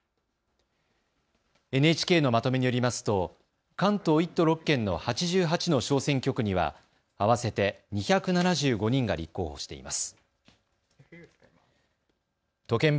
ＮＨＫのまとめによりますと関東１都６県の８８の小選挙区には合わせて２７５人が立候補しています。